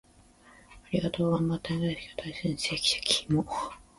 『ありがとう』、『頑張ったね』、『大好き』を大切にして生きていく